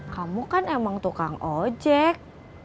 kamu kan emang tukang ojek